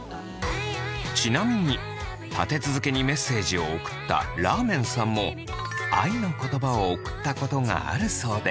ちなみに立て続けにメッセージを送ったらーめんさんも愛の言葉を送ったことがあるそうで。